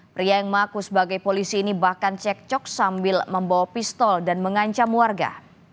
pria yang mengaku sebagai polisi ini bahkan cek cok sambil membawa pistol dan mengancam warga